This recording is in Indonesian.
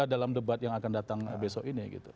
dalam debat yang akan datang besok ini gitu